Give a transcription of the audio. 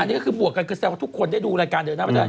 อันนี้ก็คือบวกกันแสดงว่าทุกคนได้ดูรายการเดี๋ยวนะ